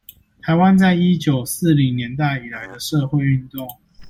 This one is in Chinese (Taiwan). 臺灣在一九四零年代以來的社會運動